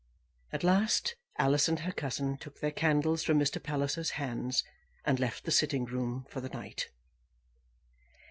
At last, Alice and her cousin took their candles from Mr. Palliser's hands and left the sitting room for the night.